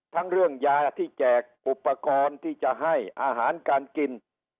ทั้งเรื่องยาที่แจกอุปกรณ์ที่จะให้อาหารการกิน